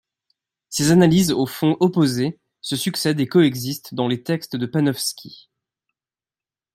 Ces analyses au fond opposées se succèdent et coexistent dans les textes de Panofsky.